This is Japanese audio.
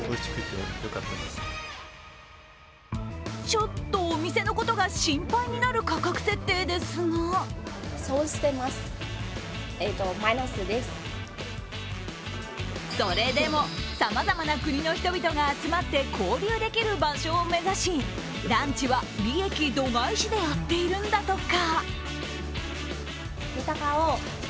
ちょっとお店のことが心配になる価格設定ですがそれでも、さまざまな国の人々が集まって交流できる場所を目指し、ランチは利益度外視でやっているんだとか。